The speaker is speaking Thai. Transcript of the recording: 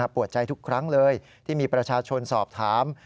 ปวดใจทุกครั้งเลยที่มีประชาชนสอบถาม